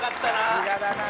さすがだな。